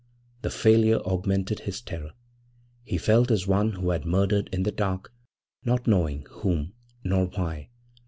The failure augmented his terror; he felt as one who has murdered in the dark, not knowing whom nor why.